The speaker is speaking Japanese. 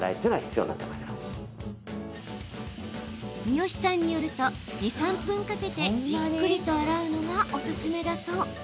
三好さんによると２、３分かけてじっくりと洗うのがおすすめだそう。